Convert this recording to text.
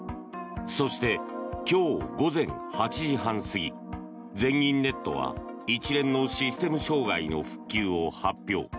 そして、今日午前８時半過ぎ全銀ネットは一連のシステム障害の復旧を発表。